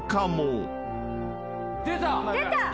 出た。